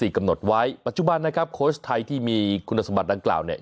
กำหนดไว้ปัจจุบันนะครับโค้ชไทยที่มีคุณสมบัติดังกล่าวเนี่ย